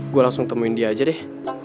gue langsung temuin dia aja deh